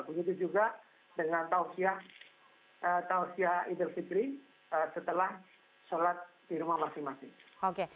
begitu juga dengan tausiyah idul fitri setelah sholat di rumah masing masing